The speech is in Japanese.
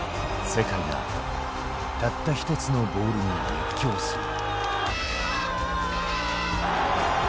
世界が、たった１つのボールに熱狂する。